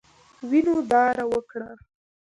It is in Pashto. وینو داره وکړه.